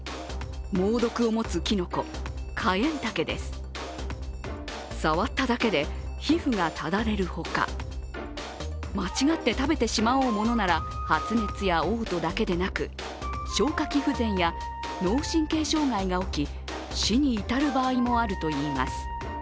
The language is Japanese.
猛毒を持つきのこ、カエンタケです触っただけで皮膚がただれるほか間違って食べてしまおうものなら発熱やおう吐だけでなく消化器不全や脳神経障害が起き死に至る場合もあるといいます。